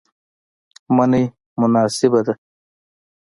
منی مناسبه ده